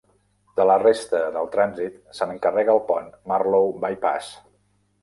De la resta del trànsit se n'encarrega el pont Marlow By-pass.